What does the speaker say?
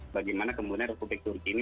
bagaimana kemudian republik ini